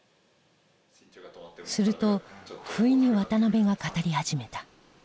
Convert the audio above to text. すると不意に渡邊が語り始めた。